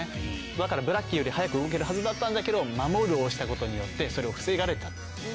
だからブラッキーより早く動けるはずだったんだけどまもるを押したことによってそれを防がれたっていう。